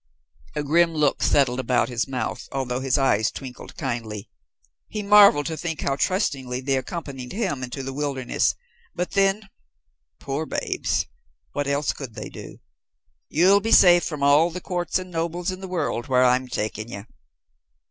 A grim look settled about his mouth, although his eyes twinkled kindly. He marveled to think how trustingly they accompanied him into this wilderness but then poor babes! What else could they do? "You'll be safe from all the courts and nobles in the world where I'm taking you."